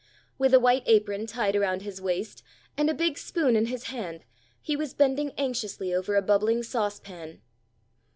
With a white apron tied around his waist, and a big spoon in his hand, he was bending anxiously over a bubbling sauce pan.